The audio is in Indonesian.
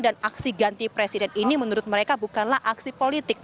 dan aksi ganti presiden ini menurut mereka bukanlah aksi politik